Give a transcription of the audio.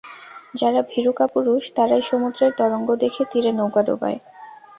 যার ভীরু কাপুরুষ, তারাই সমুদ্রের তরঙ্গ দেখে তীরে নৌকা ডোবায়।